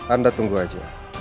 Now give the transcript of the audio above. anda tunggu saja